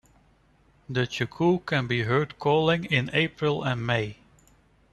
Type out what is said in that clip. The cuckoo can be heard calling in April and May.